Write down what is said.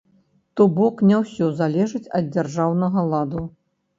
То бок, не ўсё залежыць ад дзяржаўнага ладу.